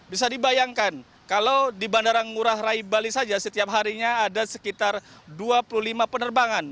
bisa dibayangkan kalau di bandara ngurah rai bali saja setiap harinya ada sekitar dua puluh lima penerbangan